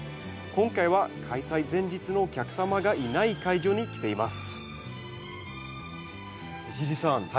今回は開催前日のお客様がいない会場に来ています江尻さん